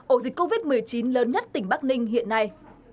ổ dịch covid một mươi chín lớn nhất tỉnh bắc ninh hiện nay